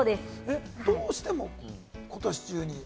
どうしても、今年中に？